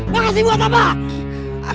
makasih buat apa